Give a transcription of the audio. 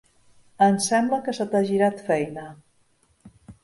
Em sembla que se t'ha girat feina.